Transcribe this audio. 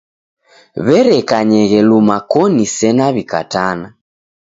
W'erekanyeghe luma koni sena w'ikatana.